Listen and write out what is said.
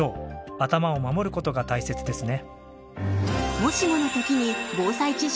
頭を守る事が大切ですね。